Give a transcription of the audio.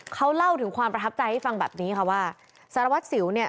เขาเล่าถึงความประทับใจให้ฟังแบบนี้ค่ะว่าสารวัตรสิวเนี่ย